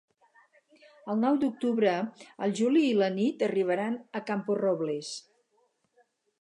El nou d'octubre en Juli i na Nit aniran a Camporrobles.